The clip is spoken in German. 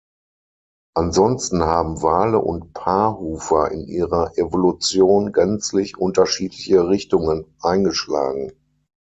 Ansonsten haben Wale und Paarhufer in ihrer Evolution gänzlich unterschiedliche Richtungen eingeschlagen.